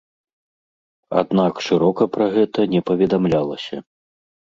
Аднак шырока пра гэта не паведамлялася.